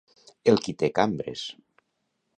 El qui té cambres.